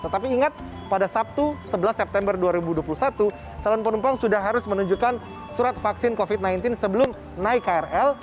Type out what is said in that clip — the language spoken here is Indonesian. tetapi ingat pada sabtu sebelas september dua ribu dua puluh satu calon penumpang sudah harus menunjukkan surat vaksin covid sembilan belas sebelum naik krl